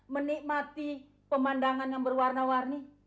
menikmati pemandangan yang berwarna warni